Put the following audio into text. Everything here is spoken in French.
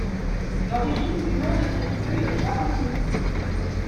L'origine du nom de cette rue n'est pas connue.